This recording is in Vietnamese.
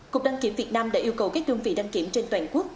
cục đăng kiểm việt nam đã yêu cầu các đơn vị đăng kiểm trên toàn quốc